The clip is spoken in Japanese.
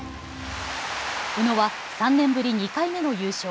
宇野は３年ぶり２回目の優勝。